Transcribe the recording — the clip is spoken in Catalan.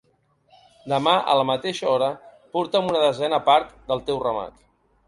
Demà a la mateixa hora porta'm una desena part del teu ramat.